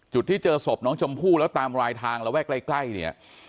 จุดที่เจอศพน้องชมพู่แล้วตามรายทางระแวกใกล้เนี่ย